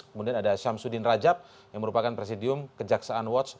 kemudian ada syamsuddin rajab yang merupakan presidium kejaksaan watch